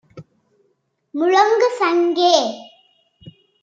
முழங்கு சங்கே!